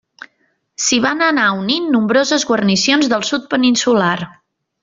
S'hi van anar unint nombroses guarnicions del sud peninsular.